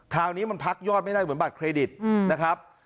คราวนี้มันพักยอดไม่ได้เหมือนบัตรเครดิตนะครับ